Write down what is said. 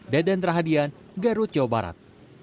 deden rahadian garut jawa barat